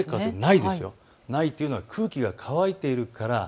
ないというのは空気が乾いているから。